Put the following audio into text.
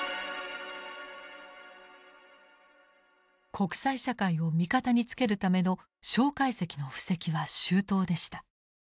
国際社会を味方につけるための介石の布石は周到でした。